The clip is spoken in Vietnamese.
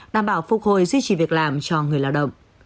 đảm bảo phục hồi duy trì việc làm cho người lao động